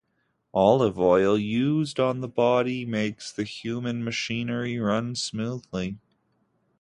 Olive oil used on the body makes the human machinery run smoothly.